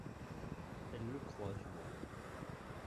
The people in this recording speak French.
Elle le croit du moins.